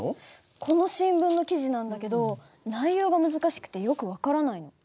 この新聞の記事なんだけど内容が難しくてよく分からないの。